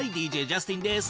ＤＪジャスティンです。